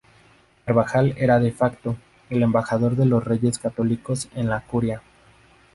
Carvajal era "de facto" el embajador de los Reyes Católicos en la Curia.